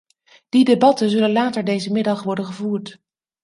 Die debatten zullen later deze middag worden gevoerd.